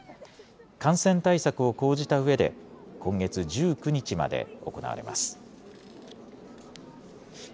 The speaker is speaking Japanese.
感染対策を講じたうえで、今月１９日まで行われます。